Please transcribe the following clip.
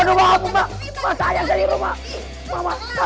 lu kebangetan lu yan ya